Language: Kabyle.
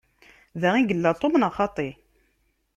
Da i yella Tom, neɣ xaṭi?